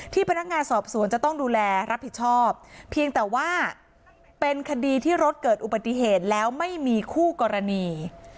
พนักงานสอบสวนจะต้องดูแลรับผิดชอบเพียงแต่ว่าเป็นคดีที่รถเกิดอุบัติเหตุแล้วไม่มีคู่กรณี